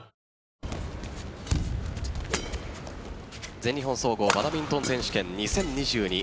全日本総合バドミントン選手権２０２２